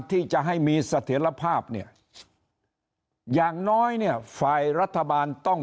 ที่จะให้มีเสถียรภาพเนี่ยอย่างน้อยเนี่ยฝ่ายรัฐบาลต้อง